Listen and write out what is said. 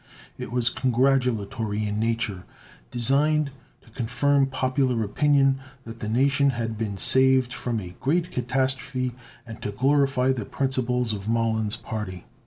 It was congratulatory in nature, designed to confirm popular opinion that the nation had been saved from a great catastrophe and to glorify the principles of Mollon's party.